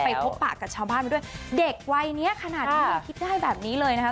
พบปากกับชาวบ้านมาด้วยเด็กวัยเนี้ยขนาดนี้ยังคิดได้แบบนี้เลยนะคะ